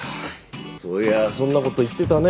そういやそんな事言ってたね